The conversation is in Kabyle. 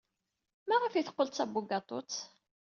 Maɣef ay teqqel d tabugaṭut?